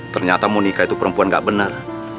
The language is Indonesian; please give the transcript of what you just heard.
ternyata monika itu perempuan gak benar